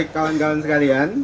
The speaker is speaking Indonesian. baik kawan kawan sekalian